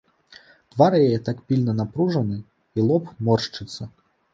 Твар яе так пільна напружаны, і лоб моршчыцца.